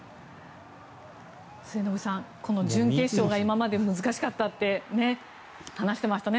末延さん準決勝が今まで難しかったって話してましたね。